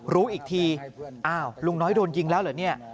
รู้อีกทีอ้าวลุงน้อยโดนยิงแล้วเหรอเนี่ย